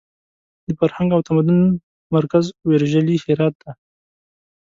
د فرهنګ او تمدن مرکز ویرژلي هرات ته!